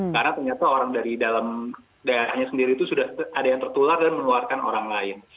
karena ternyata orang dari dalam daerahnya sendiri itu sudah ada yang tertular dan meneluarkan orang lain